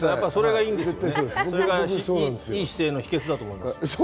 良い姿勢の秘訣だと思います。